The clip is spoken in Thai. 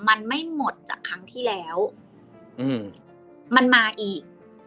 มันไม่หมดจากครั้งที่แล้วอืมมันมาอีก